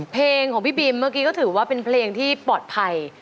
เพลงของพี่บิมเมื่อกี้ก็ถือว่าเป็นเพลงที่ปลอดภัย